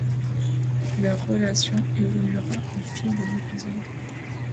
Leur relation évoluera au fil des épisodes.